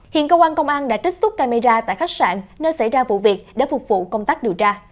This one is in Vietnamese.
hiện cơ quan công an đã trích xuất camera tại khách sạn nơi xảy ra vụ việc để phục vụ công tác điều tra